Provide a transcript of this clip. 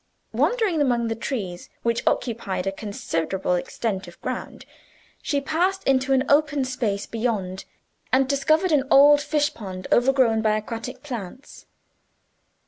Wandering among the trees, which occupied a considerable extent of ground, she passed into an open space beyond, and discovered an old fish pond, overgrown by aquatic plants.